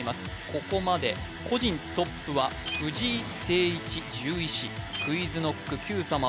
ここまで個人トップは藤井誠一獣医師Ｑｕｉｚｋｎｏｃｋ「Ｑさま！！」